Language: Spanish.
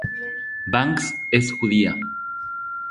Banks es judía.